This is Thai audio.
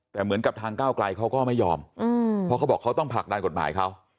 แต่เหมือนกับทางก็กลัยเขาก็ไม่ยอมเพราะเขาต้องผลักนันกฎหมายเค้า